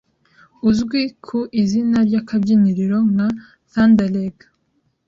uzwi ku izina ry’akabyiniro nka Thunderleg